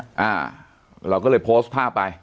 อ่าเราก็เลยโพสต์ภาพไป